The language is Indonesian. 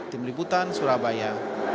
tim liputan surabaya